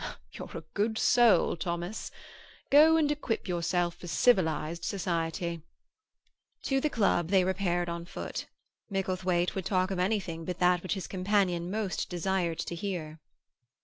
"You're a good soul, Thomas. Go and equip yourself for civilized society." To the club they repaired on foot. Micklethwaite would talk of anything but that which his companion most desired to hear.